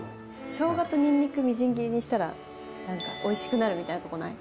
生姜とにんにくみじん切りにしたらなんかおいしくなるみたいなとこない？